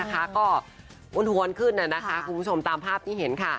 ก็อ้วนทวนขึ้นคุณผู้ชมตามภาพที่เห็นค่ะ